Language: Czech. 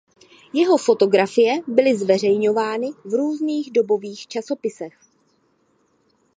Jeho fotografie byly zveřejňovány v různých dobových časopisech.